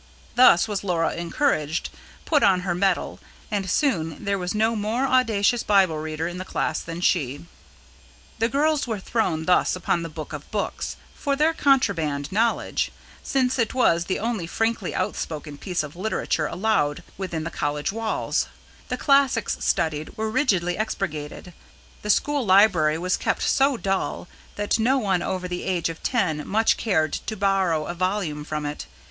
Thus was Laura encouraged, put on her mettle; and soon there was no more audacious Bible reader in the class than she. The girls were thrown thus upon the Book of Books for their contraband knowledge, since it was the only frankly outspoken piece of literature allowed within the College walls: the classics studied were rigidly expurgated; the school library was kept so dull that no one over the age of ten much cared to borrow a volume from it.